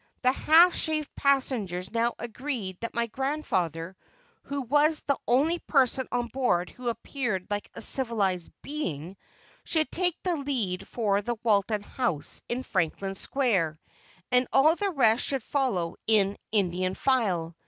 The half shaved passengers now agreed that my grandfather, who was the only person on board who appeared like a civilized being, should take the lead for the Walton House, in Franklin Square, and all the rest should follow in "Indian file."